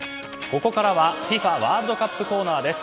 ここからは、ＦＩＦＡワールドカップコーナーです。